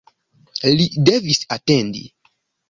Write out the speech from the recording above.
Li devis atendi.